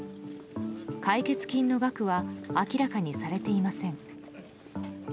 解決金の額は明らかにされていません。